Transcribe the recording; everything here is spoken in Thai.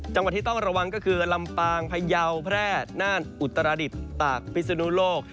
จังหวัดที่ต้องระวังก็คือลำปางพยาวแพร่น่านอุตรดิษฐ์ตากพิศนุโลก